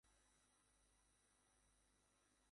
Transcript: Blue velvet cult classic হিসেবে প্রতিষ্ঠা পেয়েছে।